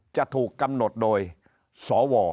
จะถูกกำหนดโดยสว